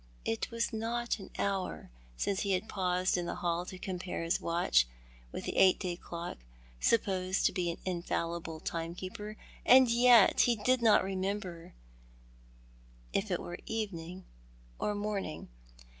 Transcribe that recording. It was not an hour since he had paused in the hall to compare his watch with the eight day clock, supposed to be an infallible timekeeper ; and yet he did not remember if it were evening or morning.